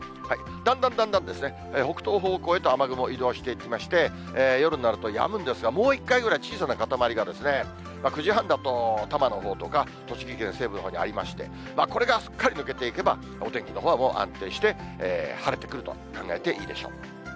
だんだんだんだん北東方向へと雨雲移動していきまして、夜になるとやむんですが、もう一回ぐらい、小さな固まりがですね、９時半だと、多摩のほうとか栃木県西部のほうにありまして、これがすっかり抜けていけば、お天気のほうはもう安定して晴れてくると考えていいでしょう。